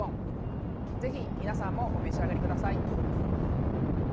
ぜひ皆様もお召し上がりください。